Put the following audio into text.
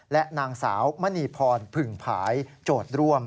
และนางสาวมณีพรผึ่งผายโจทย์ร่วม